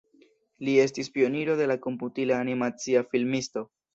Li estis pioniro de la komputila animacia filmisto.